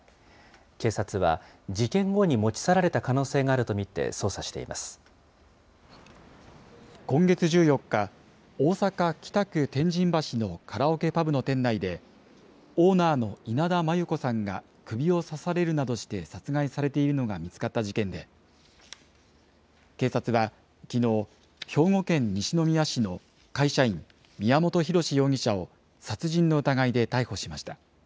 警察は、事件後に持ち去られた可能性があると見て、捜査していま今月１４日、大阪・北区天神橋のカラオケパブの店内で、オーナーの稲田真優子さんが首を刺されるなどして殺害されているのが見つかった事件で、警察はきのう、兵庫県西宮市の会社員、宮本浩志容疑者を、殺人の疑いで逮捕しました。